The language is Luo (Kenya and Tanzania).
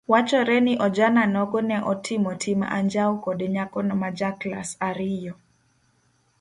Wachore ni ojana nogo ne otimo tim anjawo kod nyakono ma ja klas ariyo.